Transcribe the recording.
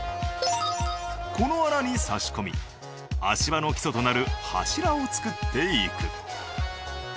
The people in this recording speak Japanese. この穴に差し込み足場の基礎となる柱を作っていく。